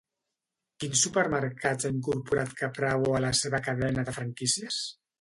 Quins supermercats ha incorporat Caprabo a la seva cadena de franquícies?